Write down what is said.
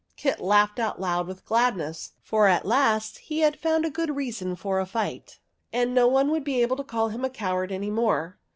Kit laughed out loud with gladness, for at last he had found a good reason for a fight, and no one would be able to call him a coward any more.